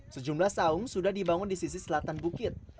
sejumlah saung sudah dibangun di sisi selatan bukit